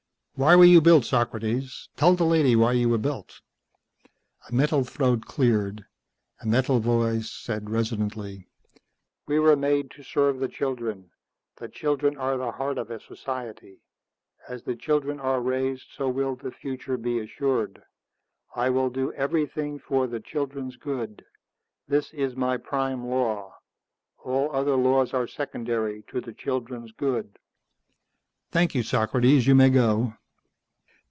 "Why were you built, Socrates? Tell the lady why you were built." A metal throat cleared, a metal voice said resonantly, "We were made to serve the children. The children are the heart of a society. As the children are raised, so will the future be assured. I will do everything for the children's good, this is my prime law. All other laws are secondary to the children's good." "Thank you, Socrates. You may go."